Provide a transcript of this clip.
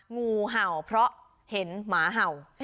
งูเห่าเพราะเห็นหมาเห่า